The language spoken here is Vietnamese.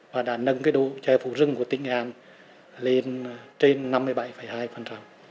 và đã nâng cái độ che phủ rừng của tỉnh nghệ an lên trên năm mươi bảy hai